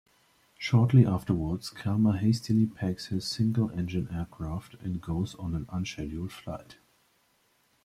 Shortly afterwards, Kelmer hastily packs his single-engine aircraft and goes on an unscheduled flight.